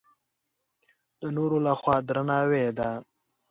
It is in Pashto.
د نورو له خوا درناوی ده.